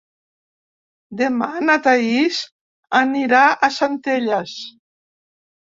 Demà na Thaís anirà a Centelles.